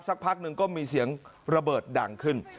สักพักหนึ่งก็มีเสียงระเบิดดังขึ้น